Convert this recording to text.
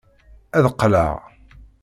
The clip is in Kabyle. Ad qqleɣ.